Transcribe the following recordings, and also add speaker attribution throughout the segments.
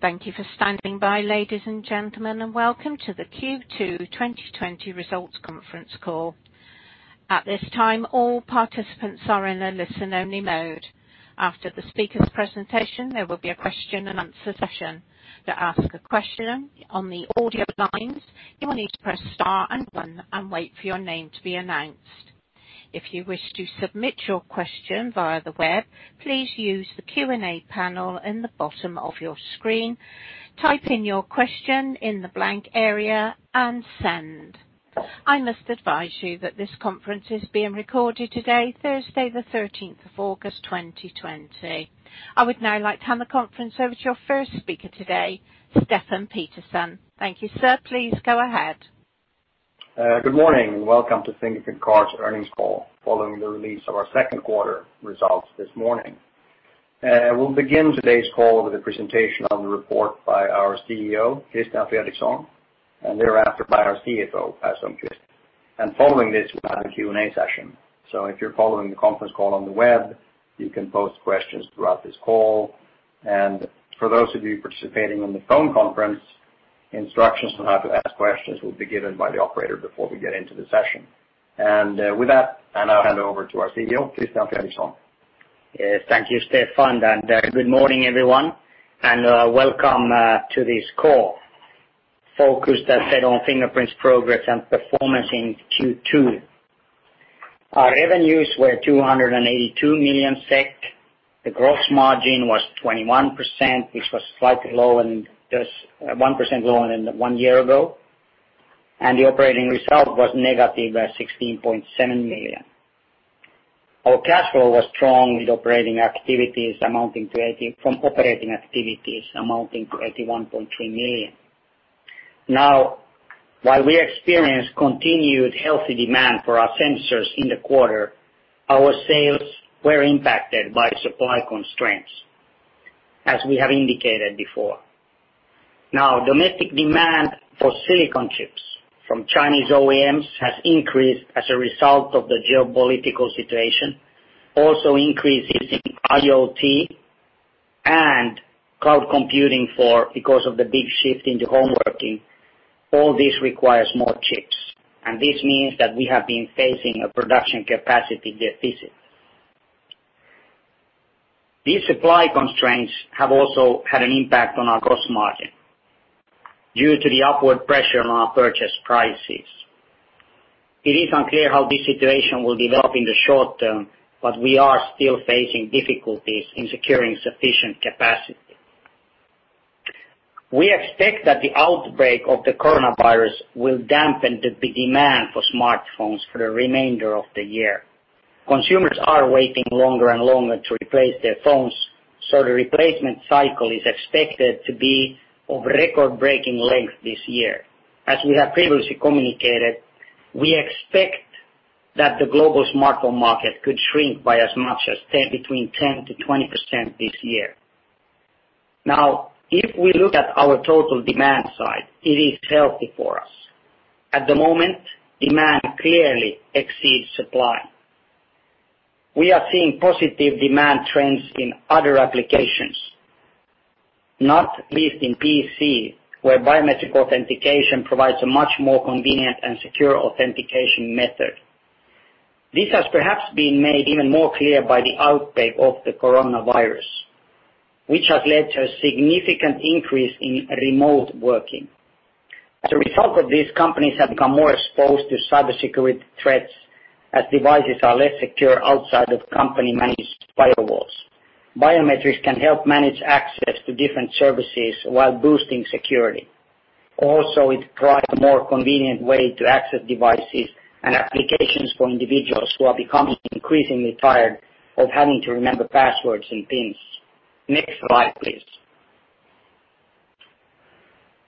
Speaker 1: Thank you for standing by, ladies and gentlemen, and welcome to the Q2 2020 results conference call. At this time, all participants are in a listen-only mode. After the speaker's presentation, there will be a question and answer session. To ask a question on the audio lines, you will need to press star and one and wait for your name to be announced. If you wish to submit your question via the web, please use the Q&A panel in the bottom of your screen, type in your question in the blank area, and send. I must advise you that this conference is being recorded today, Thursday the 13th of August 2020. I would now like to hand the conference over to your first speaker today, Stefan Pettersson. Thank you, sir. Please go ahead.
Speaker 2: Good morning, and welcome to Fingerprint Cards earnings call following the release of our second quarter results this morning. We'll begin today's call with a presentation on the report by our CEO, Christian Fredrikson, and thereafter by our CFO, Per Sundqvist. Following this, we'll have a Q&A session. If you're following the conference call on the web, you can post questions throughout this call. For those of you participating on the phone conference, instructions on how to ask questions will be given by the operator before we get into the session. With that, I now hand over to our CEO, Christian Fredrikson.
Speaker 3: Yes. Thank you, Stefan, good morning, everyone, and welcome to this call. Focus that's set on Fingerprints' progress and performance in Q2. Our revenues were 282 million SEK. The gross margin was 21%, which was slightly low and just 1% lower than one year ago. The operating result was -16.7 million. Our cash flow was strong, with operating activities amounting to 81.3 million. Now, while we experienced continued healthy demand for our sensors in the quarter, our sales were impacted by supply constraints, as we have indicated before. Now, domestic demand for silicon chips from Chinese OEMs has increased as a result of the geopolitical situation. Increases in IoT and cloud computing because of the big shift into home working. All this requires more chips, and this means that we have been facing a production capacity deficit. These supply constraints have also had an impact on our gross margin due to the upward pressure on our purchase prices. It is unclear how this situation will develop in the short-term, but we are still facing difficulties in securing sufficient capacity. We expect that the outbreak of the coronavirus will dampen the demand for smartphones for the remainder of the year. Consumers are waiting longer and longer to replace their phones, so the replacement cycle is expected to be of record-breaking length this year. As we have previously communicated, we expect that the global smartphone market could shrink by as much as between 10%-20% this year. If we look at our total demand side, it is healthy for us. At the moment, demand clearly exceeds supply. We are seeing positive demand trends in other applications, not least in PC, where biometric authentication provides a much more convenient and secure authentication method. This has perhaps been made even more clear by the outbreak of the coronavirus, which has led to a significant increase in remote working. As a result of this, companies have become more exposed to cybersecurity threats as devices are less secure outside of company-managed firewalls. Biometrics can help manage access to different services while boosting security. It provides a more convenient way to access devices and applications for individuals who are becoming increasingly tired of having to remember passwords and pins. Next slide, please.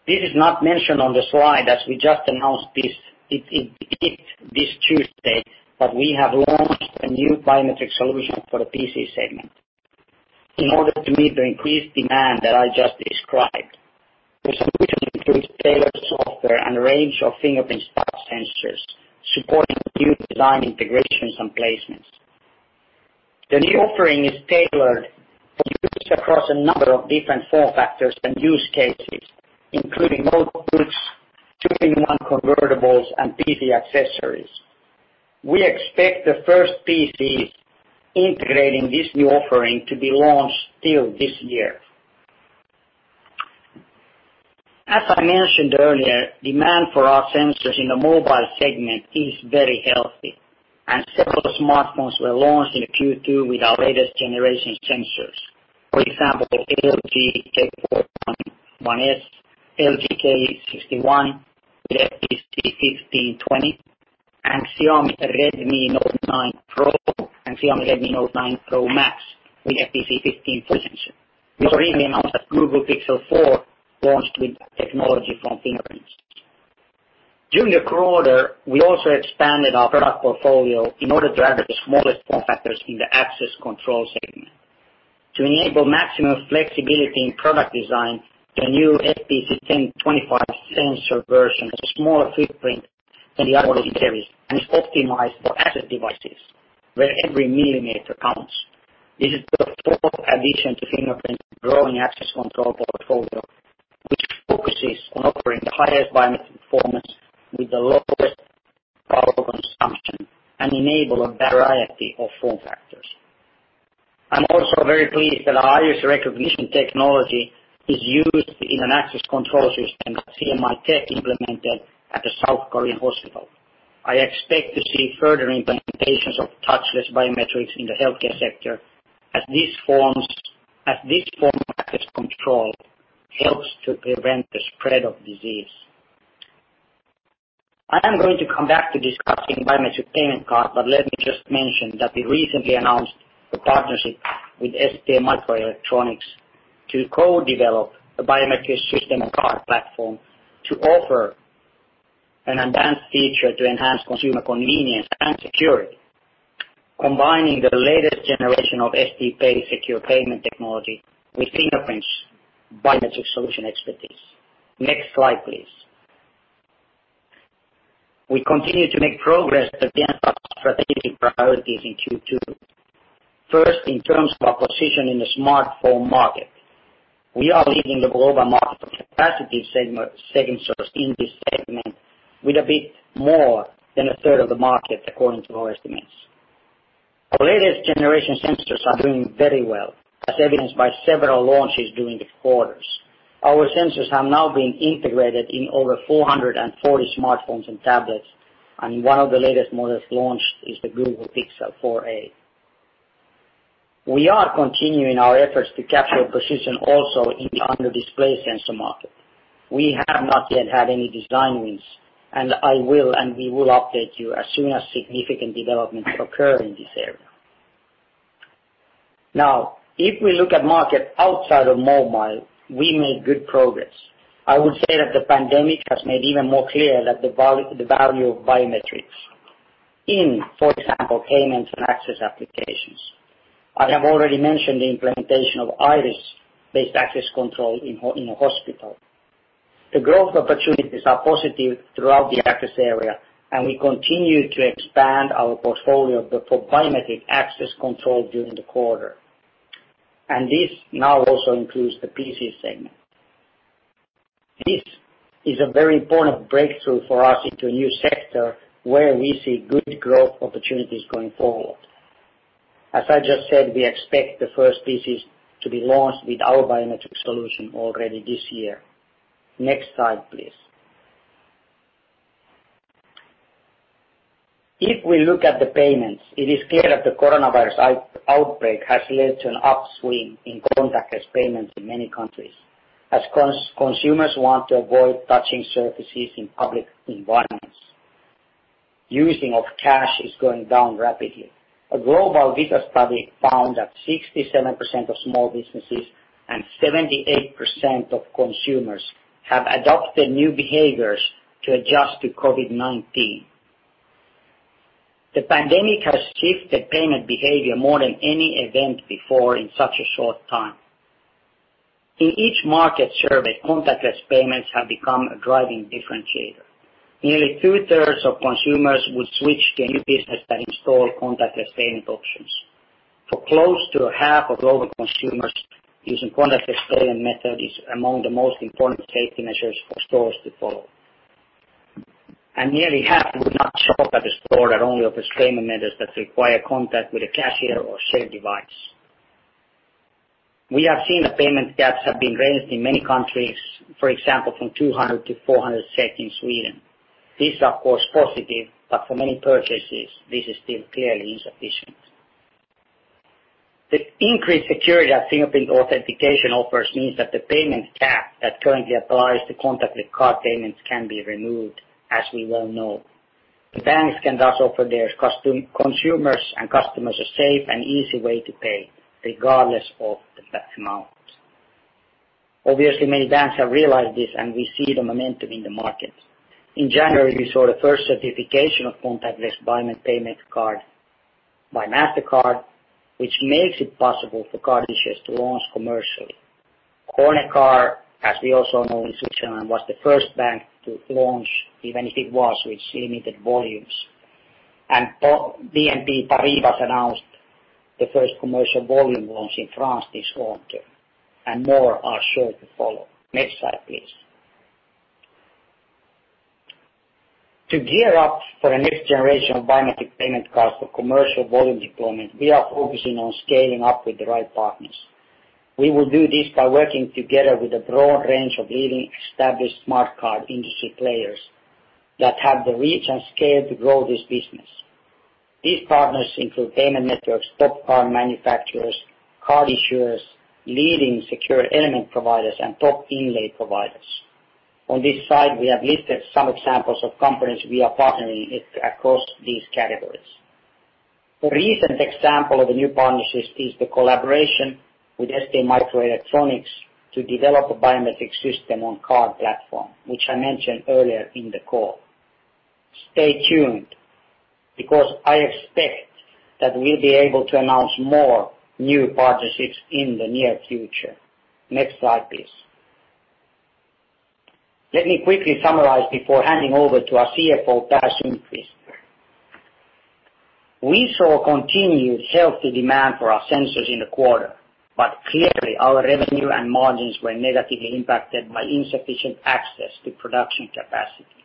Speaker 3: This is not mentioned on the slide as we just announced this Tuesday, but we have launched a new biometric solution for the PC segment in order to meet the increased demand that I just described. The solution includes tailored software and a range of fingerprint touch sensors supporting new design integrations and placements. The new offering is tailored for use across a number of different form factors and use cases, including notebooks, two-in-one convertibles, and PC accessories. We expect the first PCs integrating this new offering to be launched still this year. As I mentioned earlier, demand for our sensors in the mobile segment is very healthy, and several smartphones were launched in Q2 with our latest generation sensors. For example, LG K41S, LG K61 with FPC1520, and Xiaomi Redmi Note 9 Pro and Xiaomi Redmi Note 9 Pro Max with FPC1520 sensor. We recently announced that Google Pixel 4a launched with technology from Fingerprints. During the quarter, we also expanded our product portfolio in order to add the smallest form factors in the access control segment. To enable maximum flexibility in product design, the new FPC1025 sensor version has a smaller footprint and optimized for access devices where every millimeter counts. This is the fourth addition to Fingerprints' growing access control portfolio, which focuses on offering the highest biometric performance with the lowest power consumption and enable a variety of form factors. I'm also very pleased that our iris recognition technology is used in an access control system that CMITech implemented at the South Korean hospital. I expect to see further implementations of touchless biometrics in the healthcare sector, as this form of access control helps to prevent the spread of disease. I am going to come back to discussing biometric payment cards, but let me just mention that we recently announced a partnership with STMicroelectronics to co-develop a Biometric System-on-Card platform to offer an advanced feature to enhance consumer convenience and security, combining the latest generation of STPay secure payment technology with Fingerprints' biometric solution expertise. Next slide, please. We continue to make progress against our strategic priorities in Q2. First, in terms of our position in the smartphone market, we are leading the global market for capacitive sensors in this segment with a bit more than 1/3 of the market, according to our estimates. Our latest generation sensors are doing very well, as evidenced by several launches during the quarters. Our sensors have now been integrated in over 440 smartphones and tablets, and one of the latest models launched is the Google Pixel 4a. We are continuing our efforts to capture a position also in the under-display sensor market. We have not yet had any design wins, and we will update you as soon as significant developments occur in this area. Now, if we look at market outside of mobile, we made good progress. I would say that the pandemic has made even more clear the value of biometrics in, for example, payments and access applications. I have already mentioned the implementation of iris-based access control in a hospital. The growth opportunities are positive throughout the access area, and we continue to expand our portfolio for biometric access control during the quarter. This now also includes the PC segment. This is a very important breakthrough for us into a new sector where we see good growth opportunities going forward. As I just said, we expect the first PCs to be launched with our biometric solution already this year. Next slide, please. If we look at the payments, it is clear that the coronavirus outbreak has led to an upswing in contactless payments in many countries, as consumers want to avoid touching surfaces in public environments. Using of cash is going down rapidly. A global Visa study found that 67% of small businesses and 78% of consumers have adopted new behaviors to adjust to COVID-19. The pandemic has shifted payment behavior more than any event before in such a short time. In each market surveyed, contactless payments have become a driving differentiator. Nearly 2/3 of consumers would switch to a new business that installed contactless payment options. For close to half of global consumers, using contactless payment method is among the most important safety measures for stores to follow. Nearly half would not shop at a store that only offers payment methods that require contact with a cashier or shared device. We have seen the payment caps have been raised in many countries, for example, from 200-400 in Sweden. This is, of course, positive, but for many purchases, this is still clearly insufficient. The increased security that fingerprint authentication offers means that the payment cap that currently applies to contactless card payments can be removed, as we well know. The banks can thus offer their consumers and customers a safe and easy way to pay, regardless of the exact amounts. Obviously, many banks have realized this, and we see the momentum in the market. In January, we saw the first certification of contactless biometric payment card by Mastercard, which makes it possible for card issues to launch commercially. Cornèrcard, as we also know in Switzerland, was the first bank to launch, even if it was with limited volumes. BNP Paribas announced the first commercial volume launch in France this autumn, and more are sure to follow. Next slide, please. To gear up for the next generation of biometric payment cards for commercial volume deployment, we are focusing on scaling up with the right partners. We will do this by working together with a broad range of leading established smart card industry players that have the reach and scale to grow this business. These partners include payment networks, top card manufacturers, card issuers, leading secure element providers, and top inlay providers. On this slide, we have listed some examples of companies we are partnering with across these categories. A recent example of a new partnership is the collaboration with STMicroelectronics to develop a Biometric System-on-Card platform, which I mentioned earlier in the call. Stay tuned, because I expect that we'll be able to announce more new partnerships in the near future. Next slide, please. Let me quickly summarize before handing over to our CFO, Per Sundqvist. We saw continued healthy demand for our sensors in the quarter, but clearly our revenue and margins were negatively impacted by insufficient access to production capacity.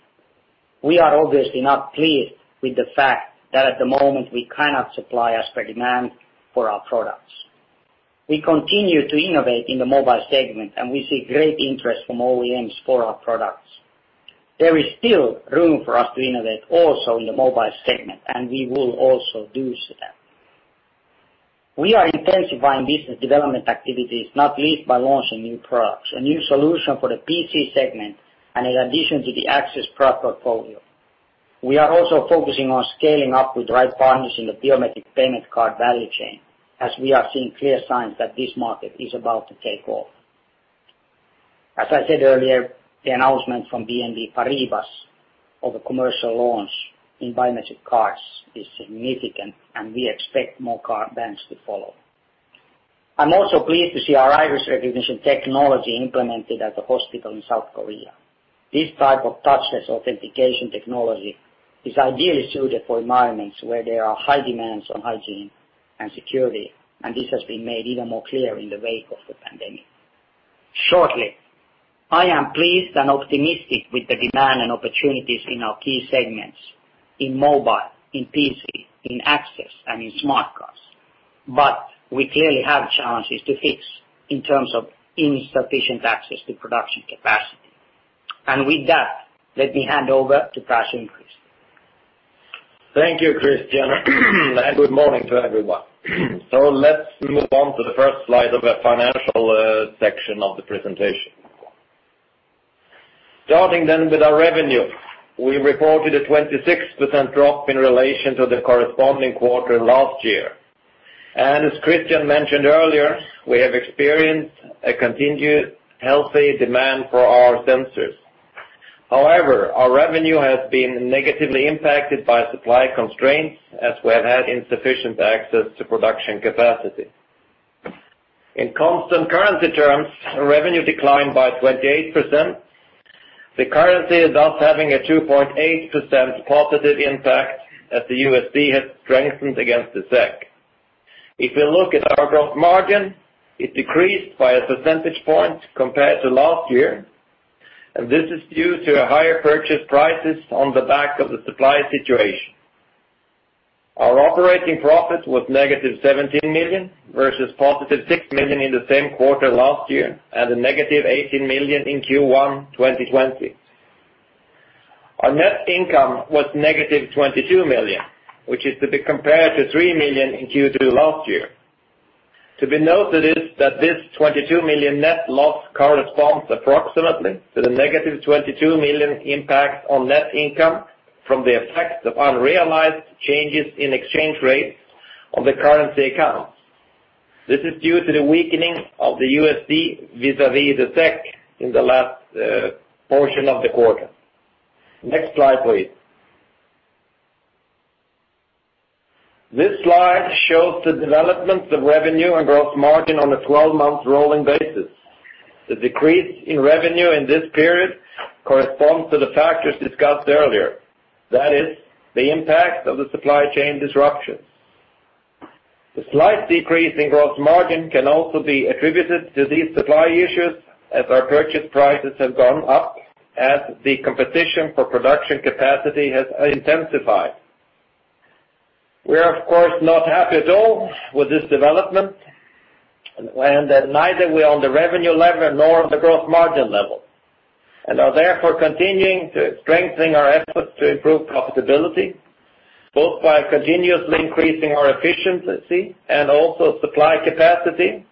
Speaker 3: We are obviously not pleased with the fact that at the moment we cannot supply as per demand for our products. We continue to innovate in the mobile segment, and we see great interest from OEMs for our products. There is still room for us to innovate also in the mobile segment, and we will also do so then. We are intensifying business development activities, not least by launching new products, a new solution for the PC segment, and in addition to the access product portfolio. We are also focusing on scaling up with the right partners in the biometric payment card value chain, as we are seeing clear signs that this market is about to take off. As I said earlier, the announcement from BNP Paribas for the commercial launch in biometric cards is significant, and we expect more banks to follow. I am also pleased to see our iris recognition technology implemented at the hospital in South Korea. This type of touchless authentication technology is ideally suited for environments where there are high demands on hygiene and security, and this has been made even more clear in the wake of the pandemic. Shortly, I am pleased and optimistic with the demand and opportunities in our key segments, in mobile, in PC, in access, and in smart cards. We clearly have challenges to fix in terms of insufficient access to production capacity. With that, let me hand over to Per Sundqvist.
Speaker 4: Thank you, Christian. Good morning to everyone. Let's move on to the first slide of the financial section of the presentation. Starting with our revenue, we reported a 26% drop in relation to the corresponding quarter last year. As Christian mentioned earlier, we have experienced a continued healthy demand for our sensors. However, our revenue has been negatively impacted by supply constraints as we have had insufficient access to production capacity. In constant currency terms, revenue declined by 28%. The currency is thus having a +2.8% impact as the USD has strengthened against the SEK. If you look at our gross margin, it decreased by a percentage point compared to last year, and this is due to higher purchase prices on the back of the supply situation. Our operating profit was -17 million, versus +6 million in the same quarter last year, and a -18 million in Q1 2020. Our net income was -22 million, which is to be compared to 3 million in Q2 last year. To be noted is that this 22 million net loss corresponds approximately to the -22 million impact on net income from the effect of unrealized changes in exchange rates on the currency accounts. This is due to the weakening of the USD vis-à-vis the SEK in the last portion of the quarter. Next slide, please. This slide shows the developments of revenue and gross margin on a 12-month rolling basis. The decrease in revenue in this period corresponds to the factors discussed earlier. That is the impact of the supply chain disruptions. The slight decrease in gross margin can also be attributed to these supply issues as our purchase prices have gone up as the competition for production capacity has intensified. We are, of course, not happy at all with this development, and neither were on the revenue level nor on the gross margin level, and are therefore continuing to strengthen our efforts to improve profitability, both by continuously increasing our efficiency and also supply capacity,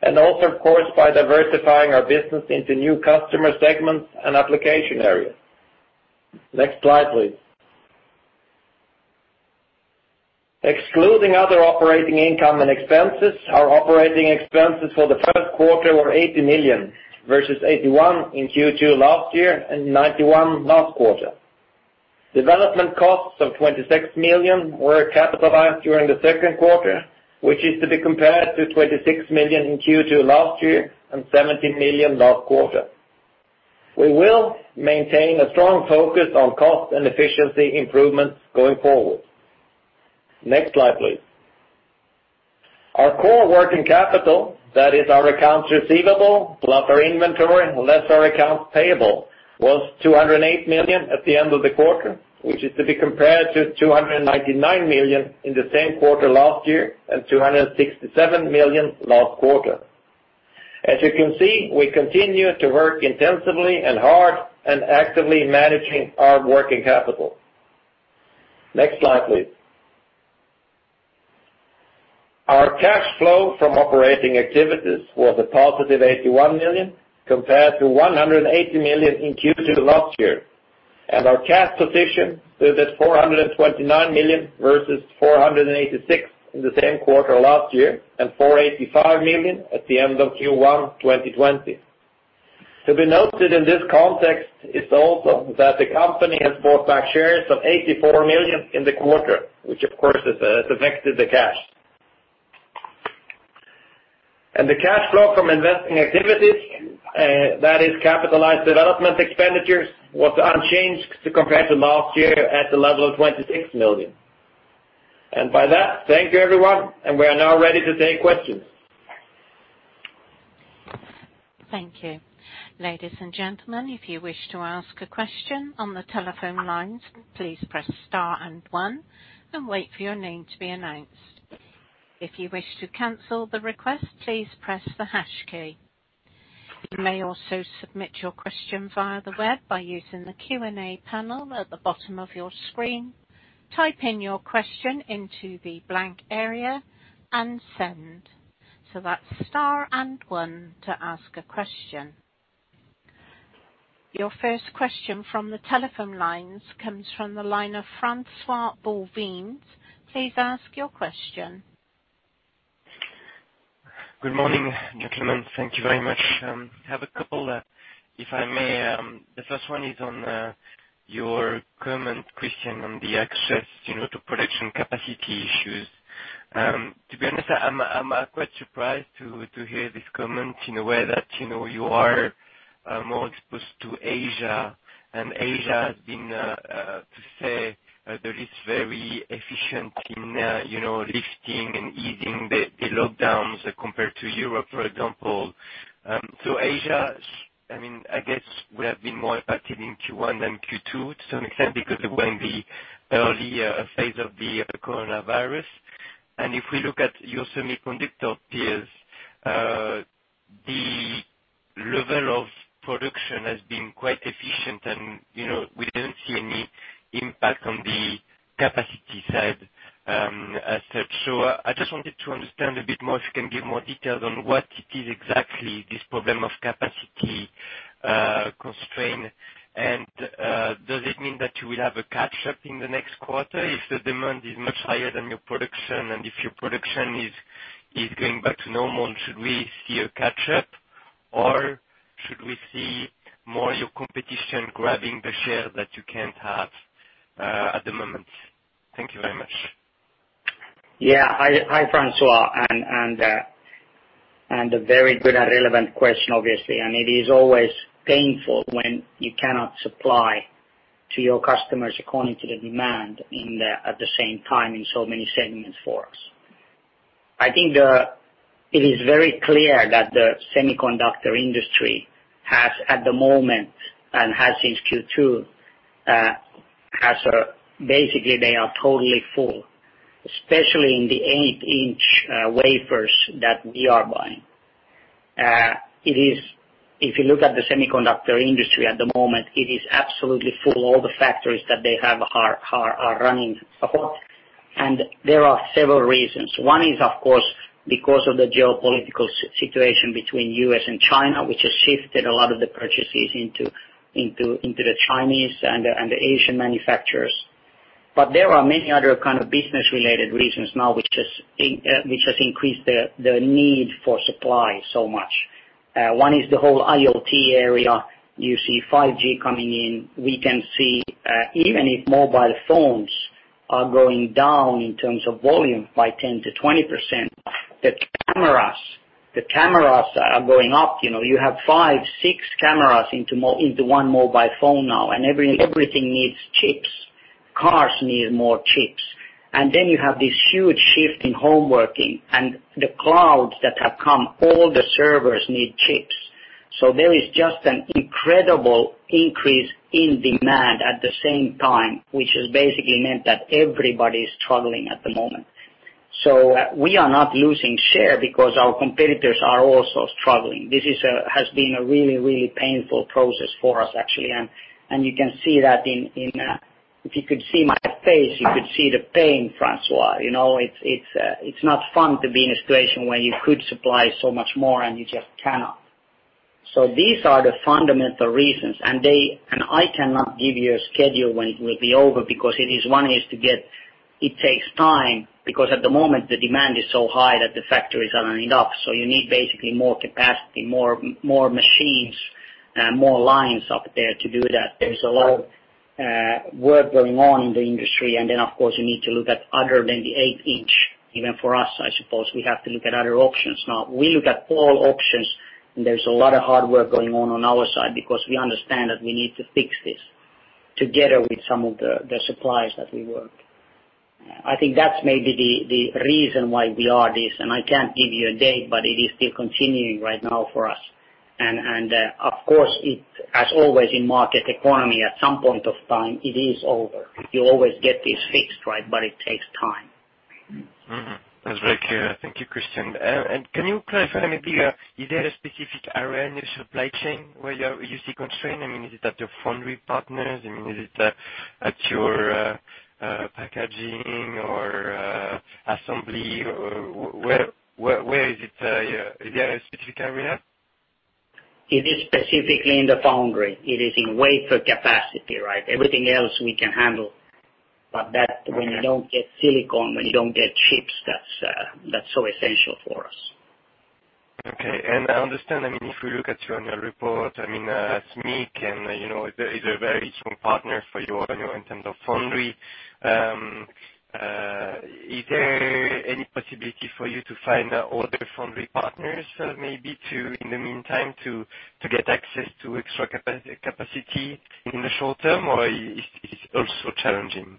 Speaker 4: and also, of course, by diversifying our business into new customer segments and application areas. Next slide, please. Excluding other operating income and expenses, our operating expenses for the first quarter were 80 million, versus 81 million in Q2 last year and 91 million last quarter. Development costs of 26 million were capitalized during the second quarter, which is to be compared to 26 million in Q2 last year and 17 million last quarter. We will maintain a strong focus on cost and efficiency improvements going forward. Next slide, please. Our core working capital, that is our accounts receivable, plus our inventory, less our accounts payable, was 208 million at the end of the quarter, which is to be compared to 299 million in the same quarter last year and 267 million last quarter. As you can see, we continue to work intensively and hard and actively managing our working capital. Next slide, please. Our cash flow from operating activities was a +81 million, compared to 180 million in Q2 last year. Our cash position is at 429 million versus 486 million in the same quarter last year, and 485 million at the end of Q1 2020. To be noted in this context is also that the company has bought back shares of 84 million in the quarter, which of course has affected the cash. The cash flow from investing activities, that is capitalized development expenditures, was unchanged compared to last year at a level of 26 million. By that, thank you everyone, and we are now ready to take questions.
Speaker 1: Thank you. Ladies and gentlemen, if you wish to ask a question on the telephone lines, please press star and one, and wait for your name to be announced. If you wish to cancel the request, please press the hash key. You may also submit your question via the web by using the Q&A panel at the bottom of your screen. Type in your question into the blank area and send. That's star and one to ask a question. Your first question from the telephone lines comes from the line of Francois-Xavier Bouvignies. Please ask your question.
Speaker 5: Good morning. Thank you very much. I have a couple, if I may. The first one is on your comment, Christian, on the access to production capacity issues. To be honest, I'm quite surprised to hear this comment in a way that you are more exposed to Asia. Asia has been, to say the least, very efficient in lifting and easing the lockdowns compared to Europe, for example. Asia, I guess, would have been more impacted in Q1 than Q2 to some extent because it was in the early phase of the coronavirus. If we look at your semiconductor peers, the level of production has been quite efficient and we didn't see any impact on the capacity side as such. I just wanted to understand a bit more, if you can give more details on what it is exactly this problem of capacity constraint, does it mean that you will have a catch-up in the next quarter if the demand is much higher than your production? If your production is going back to normal, should we see a catch-up or should we see more your competition grabbing the share that you can't have at the moment? Thank you very much.
Speaker 3: Yeah. Hi, Francois. A very good and relevant question, obviously. It is always painful when you cannot supply to your customers according to the demand at the same time in so many segments for us. I think it is very clear that the semiconductor industry has at the moment, and has since Q2, basically they are totally full, especially in the 8-inch wafers that we are buying. If you look at the semiconductor industry at the moment, it is absolutely full. All the factories that they have are running full. There are several reasons. One is, of course, because of the geopolitical situation between U.S. and China, which has shifted a lot of the purchases into the Chinese and the Asian manufacturers. There are many other kind of business-related reasons now, which has increased the need for supply so much. One is the whole IoT area. You see 5G coming in. We can see, even if mobile phones are going down in terms of volume by 10%-20%, the cameras are going up. You have five, six cameras into one mobile phone now, and everything needs chips. Cards need more chips. You have this huge shift in home working and the clouds that have come, all the servers need chips. There is just an incredible increase in demand at the same time, which has basically meant that everybody's struggling at the moment. We are not losing share because our competitors are also struggling. This has been a really painful process for us, actually. You can see that. If you could see my face, you could see the pain, Francois. It's not fun to be in a situation where you could supply so much more and you just cannot. These are the fundamental reasons, and I cannot give you a schedule when it will be over because one is it takes time because at the moment, the demand is so high that the factories aren't enough. You need basically more capacity, more machines, more lines up there to do that. There's a lot of work going on in the industry. Then, of course, you need to look at other than the 8-inch. Even for us, I suppose, we have to look at other options now. We look at all options and there's a lot of hard work going on on our side because we understand that we need to fix this together with some of the suppliers that we work. I think that's maybe the reason why we are this, and I can't give you a date, but it is still continuing right now for us. Of course, as always in market economy, at some point of time, it is over. You always get this fixed, but it takes time.
Speaker 5: That's very clear. Thank you, Christian. Can you clarify maybe, is there a specific area in your supply chain where you see constraint? I mean, is it at your foundry partners? I mean, is it at your packaging or assembly? Where is it? Is there a specific area?
Speaker 3: It is specifically in the foundry. It is in wafer capacity. Everything else we can handle. When you don't get silicon, when you don't get chips, that's so essential for us.
Speaker 5: Okay. I understand, if we look at your annual report, SMIC is a very strong partner for you in terms of foundry. Is there any possibility for you to find other foundry partners maybe in the meantime to get access to extra capacity in the short-term, or is it also challenging?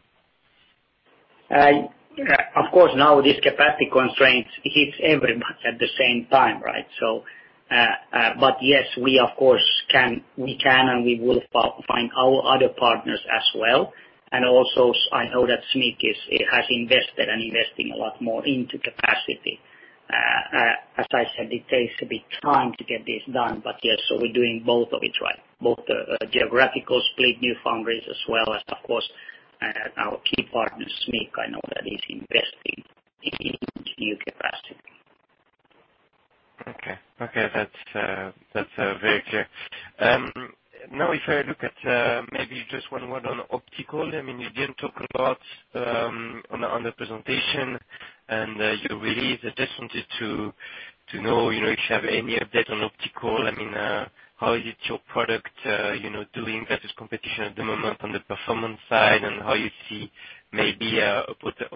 Speaker 3: Of course, now this capacity constraints hits everybody at the same time, right? Yes, we of course can, and we will find our other partners as well. Also, I know that SMIC has invested and investing a lot more into capacity. As I said, it takes a bit time to get this done, but yes. We're doing both of it. Both the geographical split new foundries, as well as, of course, our key partner, SMIC, I know that is investing in new capacitive.
Speaker 5: Okay. That's very clear. If I look at maybe just one more on optical. You didn't talk a lot on the presentation and your release. I just wanted to know if you have any update on optical. How is it your product doing versus competition at the moment on the performance side, and how you see maybe a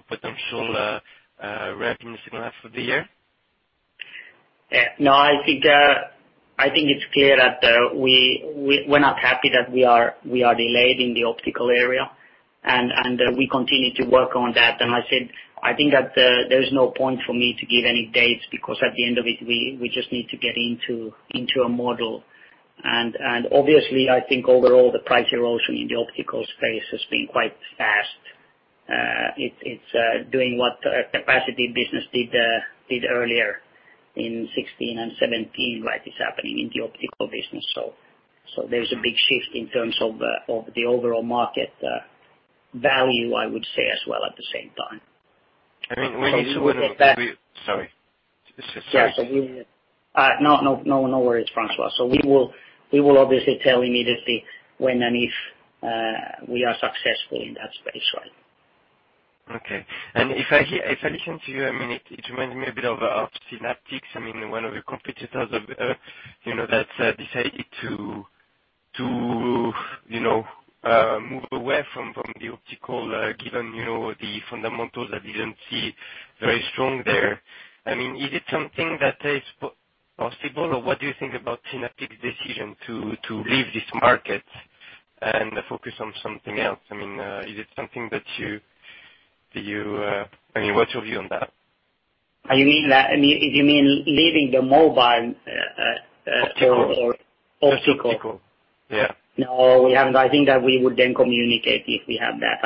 Speaker 5: potential ramp in the second half of the year?
Speaker 3: No, I think it's clear that we're not happy that we are delayed in the optical area, we continue to work on that. I said, I think that there is no point for me to give any dates, because at the end of it, we just need to get into a model. Obviously, I think overall, the price erosion in the optical space has been quite fast. It's doing what capacitive business did earlier in 2016 and 2017. It's happening in the optical business. There's a big shift in terms of the overall market value, I would say as well at the same time.
Speaker 5: I mean,
Speaker 3: We will get back.
Speaker 5: Sorry.
Speaker 3: No worries, Francois. We will obviously tell immediately when and if we are successful in that space.
Speaker 5: Okay. If I listen to you, it reminds me a bit of Synaptics, one of your competitors that decided to move away from the optical given the fundamentals that didn't seem very strong there. Is it something that is possible or what do you think about Synaptics' decision to leave this market and focus on something else? What's your view on that?
Speaker 3: You mean leaving the mobile?
Speaker 5: Optical
Speaker 3: Optical?
Speaker 5: Just optical. Yeah.
Speaker 3: I think that we would then communicate if we have that.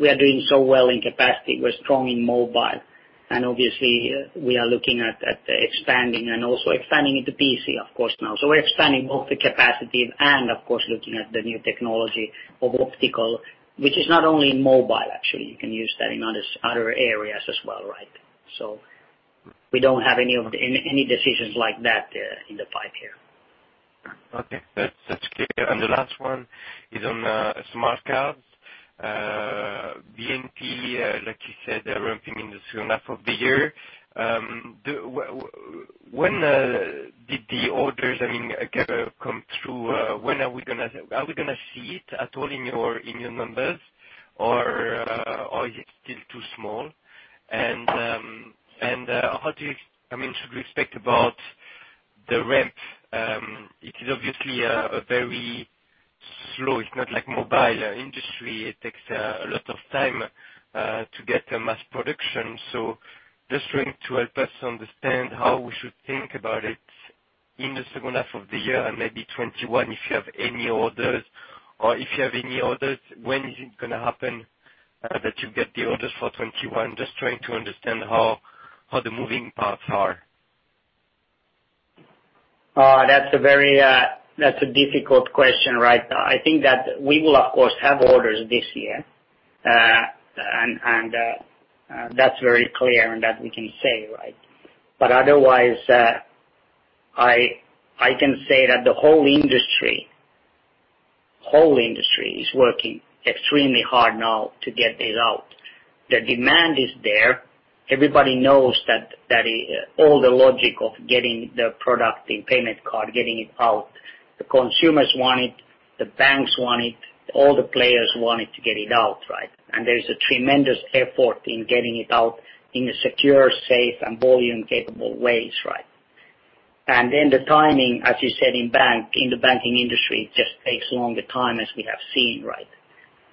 Speaker 3: We are doing so well in capacitive. We're strong in mobile, and obviously we are looking at expanding and also expanding into PC, of course, now. We're expanding both the capacitive and of course looking at the new technology of optical, which is not only in mobile, actually. You can use that in other areas as well. We don't have any decisions like that in the pipe here.
Speaker 5: Okay. That's clear. The last one is on smart cards. BNP, like you said, they're ramping in the second half of the year. When did the orders come through? Are we going to see it at all in your numbers or are you still too small? Should we expect about the ramp? It is obviously very slow. It's not like mobile industry. It takes a lot of time to get a mass production. Just trying to help us understand how we should think about it in the second half of the year and maybe 2021, if you have any orders. If you have any orders, when is it going to happen that you get the orders for 2021? Just trying to understand how the moving parts are.
Speaker 3: That's a difficult question. I think that we will, of course, have orders this year. That's very clear and that we can say. Otherwise, I can say that the whole industry is working extremely hard now to get this out. The demand is there. Everybody knows that all the logic of getting the product, the payment card, getting it out, the consumers want it, the banks want it, all the players want it to get it out. There's a tremendous effort in getting it out in a secure, safe, and volume capable ways. The timing, as you said, in the banking industry, it just takes longer time as we have seen.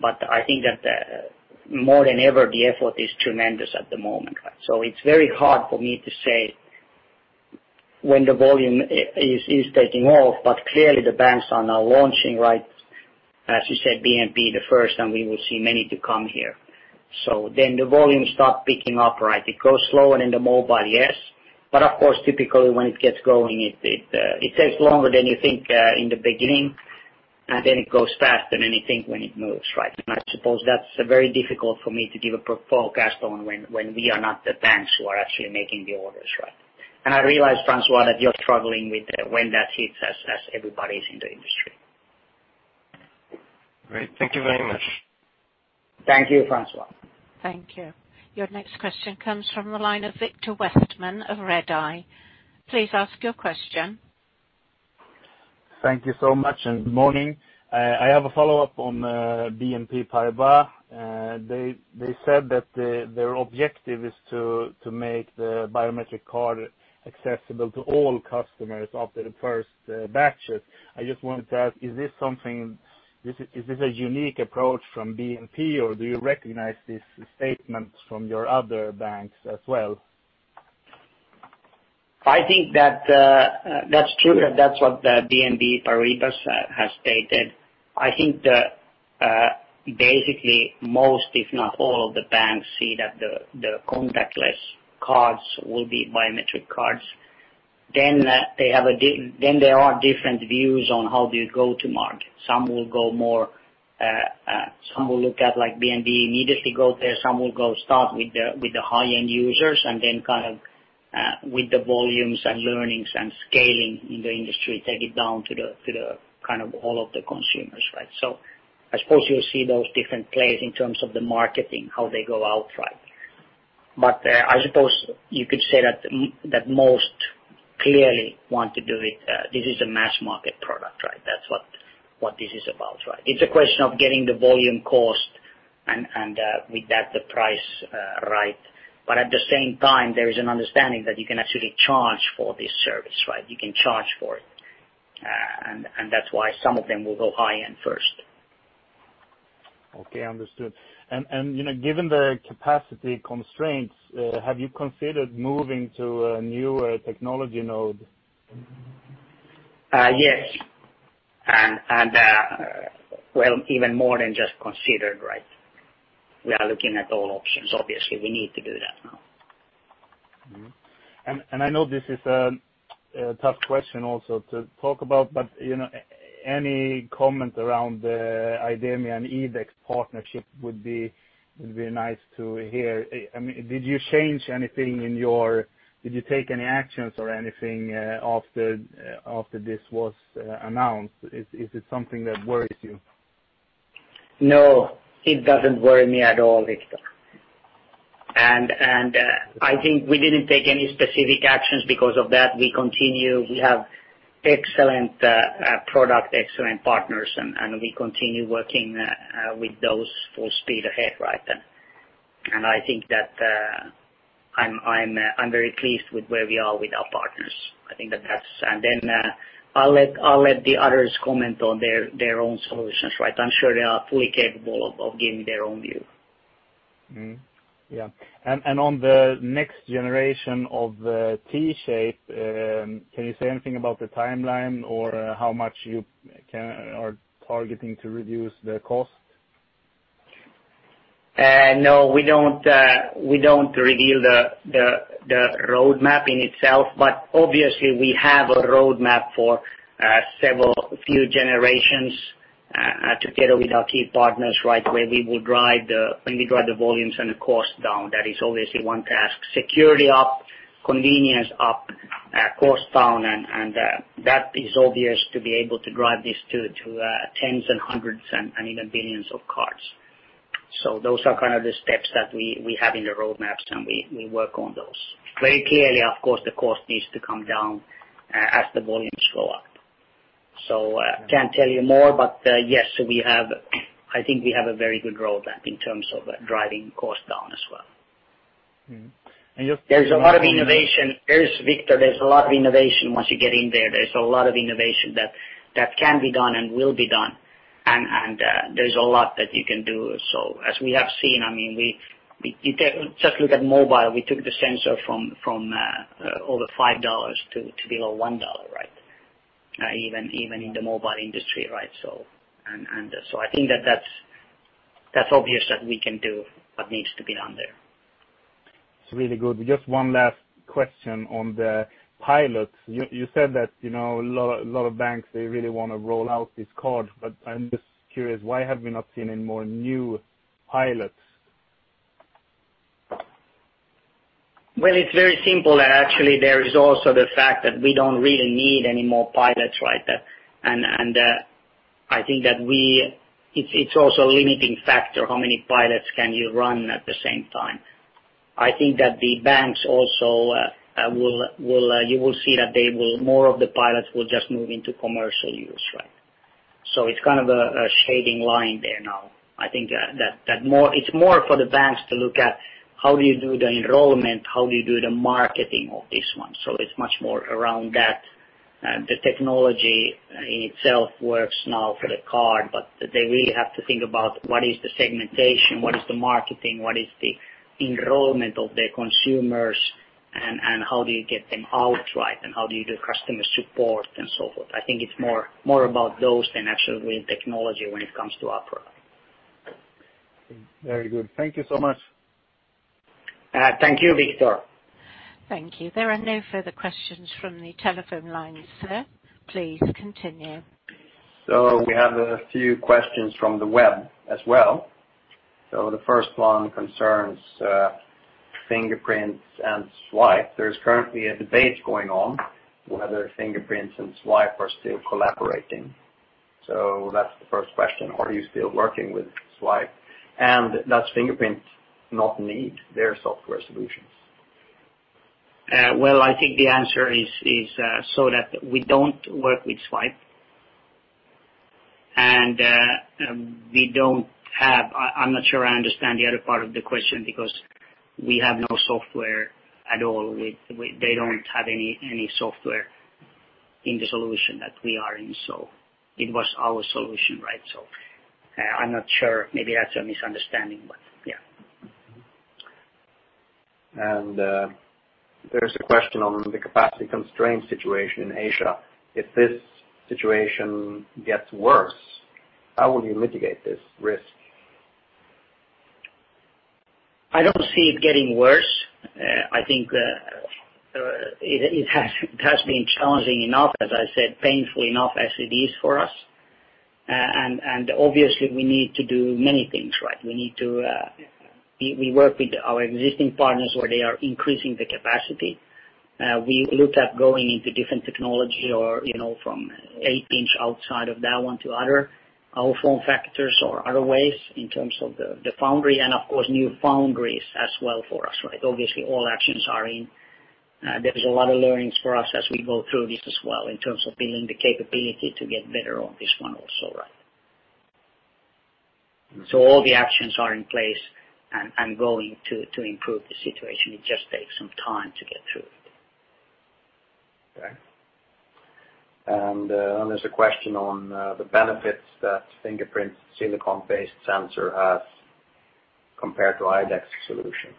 Speaker 3: I think that more than ever, the effort is tremendous at the moment. It's very hard for me to say when the volume is taking off, but clearly the banks are now launching. As you said, BNP the first, and we will see many to come here. Then the volume start picking up. It goes slower in the mobile, yes. Of course, typically when it gets going, it takes longer than you think in the beginning, and then it goes faster than you think when it moves. I suppose that's very difficult for me to give a forecast on when we are not the banks who are actually making the orders. I realize, Francois Bouvignies, that you're struggling with when that hits us, as everybody is in the industry.
Speaker 5: Great. Thank you very much.
Speaker 3: Thank you, Francois.
Speaker 1: Thank you. Your next question comes from the line of Viktor Westman of Redeye. Please ask your question.
Speaker 6: Thank you so much, and good morning. I have a follow-up on BNP Paribas. They said that their objective is to make the biometric card accessible to all customers after the first batches. I just wanted to ask, is this a unique approach from BNP, or do you recognize this statement from your other banks as well?
Speaker 3: I think that's true, that's what BNP Paribas has stated. I think that basically most, if not all of the banks see that the contactless cards will be biometric cards. There are different views on how they go to market. Some will look at, like BNP, immediately go there, some will go start with the high-end users, with the volumes and learnings and scaling in the industry, take it down to the all of the consumers. I suppose you'll see those different plays in terms of the marketing, how they go out. I suppose you could say that most clearly want to do it. This is a mass market product. That's what this is about. It's a question of getting the volume cost and with that the price right. At the same time, there is an understanding that you can actually charge for this service. You can charge for it. That's why some of them will go high-end first.
Speaker 6: Okay, understood. Given the capacity constraints, have you considered moving to a newer technology node?
Speaker 3: Yes. Well, even more than just considered. We are looking at all options. Obviously, we need to do that now.
Speaker 6: I know this is a tough question also to talk about, but any comment around the IDEMIA and IDEX partnership would be nice to hear. Did you take any actions or anything after this was announced? Is it something that worries you?
Speaker 3: No, it doesn't worry me at all, Viktor. I think we didn't take any specific actions because of that. We continue, we have excellent product, excellent partners, and we continue working with those full speed ahead right then. I think that I'm very pleased with where we are with our partners. I think that helps. I'll let the others comment on their own solutions. I'm sure they are fully capable of giving their own view.
Speaker 6: Yeah. On the next generation of the T-Shape, can you say anything about the timeline or how much you are targeting to reduce the cost?
Speaker 3: No, we don't reveal the roadmap in itself, but obviously we have a roadmap for a few generations together with our key partners where when we drive the volumes and the cost down. That is obviously one task. Security up, convenience up, cost down, and that is obvious to be able to drive this to tens and hundreds and even billions of cards. Those are kind of the steps that we have in the roadmaps, and we work on those. Very clearly, of course, the cost needs to come down as the volumes go up. Can't tell you more, but yes, I think we have a very good roadmap in terms of driving cost down as well.
Speaker 6: Mm-hmm.
Speaker 3: Viktor, there's a lot of innovation once you get in there. There's a lot of innovation that can be done and will be done. There's a lot that you can do. As we have seen, just look at mobile. We took the sensor from over SEK 5 to below SEK 1 even in the mobile industry. I think that's obvious that we can do what needs to be done there.
Speaker 6: It's really good. Just one last question on the pilot. You said that a lot of banks, they really want to roll out this card. I'm just curious, why have we not seen any more new pilots?
Speaker 3: Well, it's very simple, actually. There is also the fact that we don't really need any more pilots. I think that it's also a limiting factor how many pilots can you run at the same time. I think that the banks also, you will see that more of the pilots will just move into commercial use. It's kind of a shading line there now. I think that it's more for the banks to look at how do you do the enrollment, how do you do the marketing of this one. It's much more around that. The technology in itself works now for the card, but they really have to think about what is the segmentation, what is the marketing, what is the enrollment of their consumers, and how do you get them out, and how do you do customer support and so forth. I think it's more about those than actually with technology when it comes to our product.
Speaker 6: Very good. Thank you so much.
Speaker 3: Thank you, Viktor.
Speaker 1: Thank you. There are no further questions from the telephone lines, sir. Please continue.
Speaker 2: We have a few questions from the web as well. The first one concerns Fingerprint and Zwipe. There's currently a debate going on whether Fingerprint and Zwipe are still collaborating. That's the first question. Are you still working with Zwipe, and does Fingerprint not need their software solutions?
Speaker 3: Well, I think the answer is so that we don't work with Zwipe. I'm not sure I understand the other part of the question because we have no software at all. They don't have any software in the solution that we are in. It was our solution. I'm not sure. Maybe that's a misunderstanding. Yeah.
Speaker 2: There's a question on the capacity constraint situation in Asia. If this situation gets worse, how will you mitigate this risk?
Speaker 3: I don't see it getting worse. I think it has been challenging enough, as I said, painful enough as it is for us. Obviously, we need to do many things. We work with our existing partners where they are increasing the capacity. We looked at going into different technology or from 8-inch outside of that one to other form factors or other ways in terms of the foundry and of course, new foundries as well for us. Obviously, all actions are in. There is a lot of learnings for us as we go through this as well in terms of building the capability to get better on this one also. All the actions are in place and going to improve the situation. It just takes some time to get through it.
Speaker 2: Okay. There's a question on the benefits that Fingerprint silicon-based sensor has compared to IDEX solution.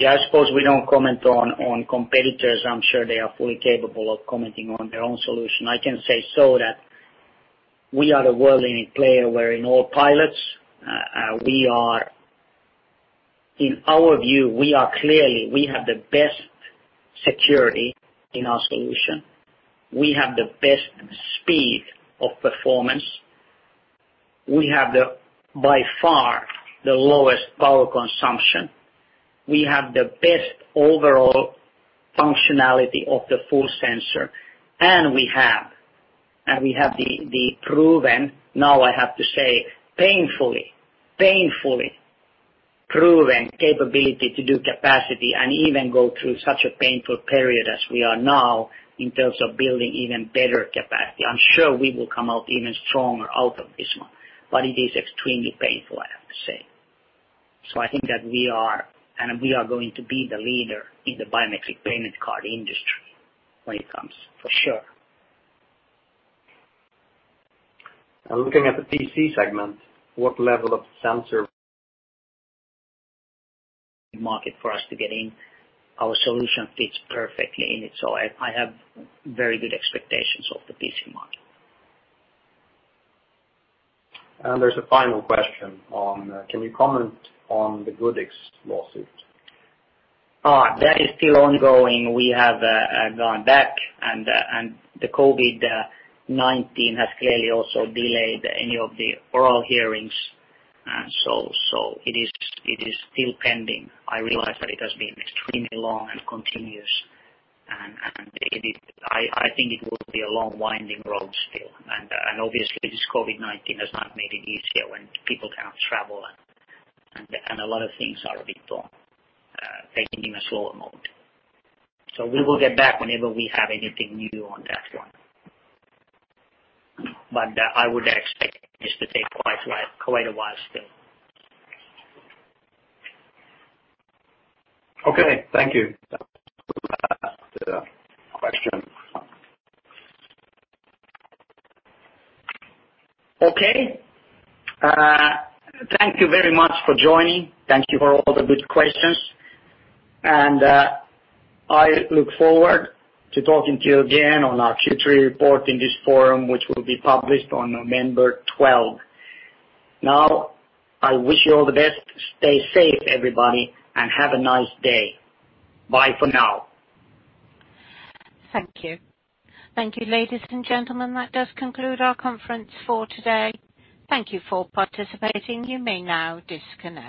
Speaker 3: I suppose we don't comment on competitors. I'm sure they are fully capable of commenting on their own solution. I can say that we are the world leading player. We're in all pilots. In our view, we have the best security in our solution. We have the best speed of performance. We have, by far, the lowest power consumption. We have the best overall functionality of the full sensor. We have the proven, now I have to say, painfully proven capability to do capacitive and even go through such a painful period as we are now in terms of building even better capacity. I'm sure we will come out even stronger out of this one. It is extremely painful, I have to say. I think that we are going to be the leader in the biometric payment card industry when it comes, for sure.
Speaker 2: Looking at the PC segment, what level of sensor.
Speaker 3: Market for us to get in. Our solution fits perfectly in it. I have very good expectations of the PC market.
Speaker 2: There's a final question on, can you comment on the Goodix lawsuit?
Speaker 3: That is still ongoing. We have gone back, and the COVID-19 has clearly also delayed any of the oral hearings. It is still pending. I realize that it has been extremely long and continuous, and I think it will be a long winding road still. Obviously, this COVID-19 has not made it easier when people cannot travel, and a lot of things are a bit on, taking even slower mode. We will get back whenever we have anything new on that one. I would expect this to take quite a while still.
Speaker 2: Okay. Thank you. That's the question.
Speaker 3: Okay. Thank you very much for joining. Thank you for all the good questions, and I look forward to talking to you again on our Q3 report in this forum, which will be published on November 12th. I wish you all the best. Stay safe, everybody, and have a nice day. Bye for now.
Speaker 1: Thank you. Thank you, ladies and gentlemen, that does conclude our conference for today. Thank you for participating. You may now disconnect.